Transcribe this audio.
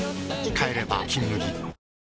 帰れば「金麦」